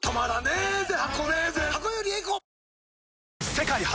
世界初！